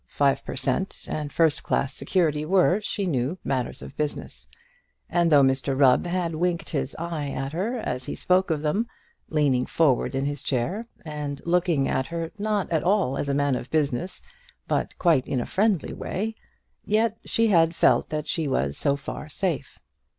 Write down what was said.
Five per cent and first class security were, she knew, matters of business; and though Mr Rubb had winked his eye at her as he spoke of them, leaning forward in his chair and looking at her not at all as a man of business, but quite in a friendly way, yet she had felt that she was so far safe.